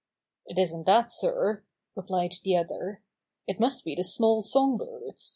"It isn't that, sir," replied the other. "It must be the small song birds.